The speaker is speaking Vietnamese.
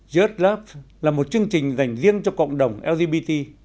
just love là một chương trình dành riêng cho cộng đồng lgbt